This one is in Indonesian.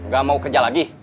gak mau kerja lagi